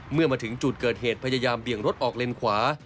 เมื่อมาถึงจุดเกิดเหตุพยายามเบี่ยงรถออกเลนขวา